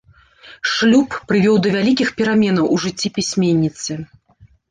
Шлюб прывёў да вялікіх пераменаў у жыцці пісьменніцы.